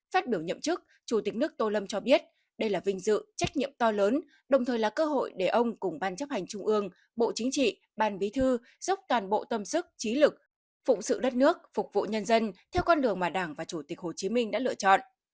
phát biểu nhậm chức chủ tịch nước tô lâm cho biết đây là vinh dự trách nhiệm to lớn đồng thời là cơ hội để ông cùng ban chấp hành trung ương bộ chính trị ban bí thư dốc toàn bộ tâm sức trí lực phụng sự đất nước phục vụ nhân dân theo con đường mà đảng và chủ tịch hồ chí minh đã lựa chọn